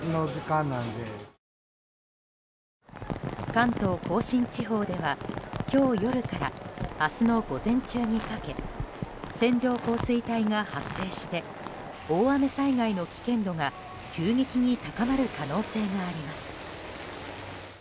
関東・甲信地方では今日夜から明日の午前中にかけ線状降水帯が発生して大雨災害の危険度が急激に高まる可能性があります。